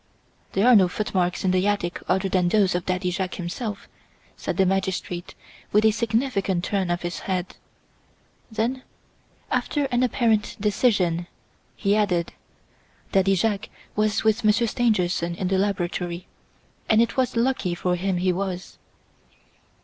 "There are no footmarks in the attic other than those of Daddy Jacques himself," said the magistrate with a significant turn of his head. Then, after an apparent decision, he added: "Daddy Jacques was with Monsieur Stangerson in the laboratory and it was lucky for him he was."